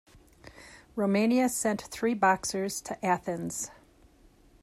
Romania sent three boxers to Athens.